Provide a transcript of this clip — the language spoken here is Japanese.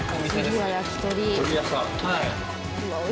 はい。